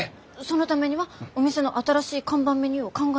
そのためにはお店の新しい看板メニューを考えないと。